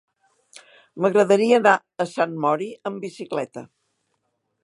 M'agradaria anar a Sant Mori amb bicicleta.